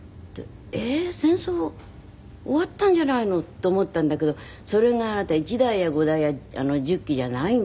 えっ戦争終わったんじゃないのって思ったんだけどそれが１台や５台や１０機じゃないんですよ。